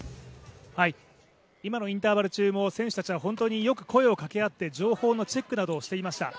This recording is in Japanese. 今のインターバル中も選手たちは本当によく声をかけあって情報のチェックなどをしていました。